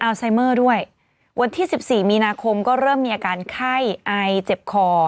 วันที่๑๔มีนาคมก็เริ่มมีอาการไข้อายเจ็บคอ